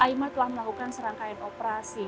aima telah melakukan serangkaian operasi